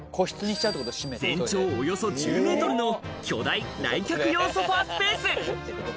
全長およそ１０メートルの巨大来客用ソファースペース。